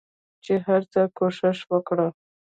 چې هرڅه کوښښ وکړ